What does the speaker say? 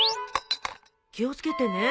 気を付けてね。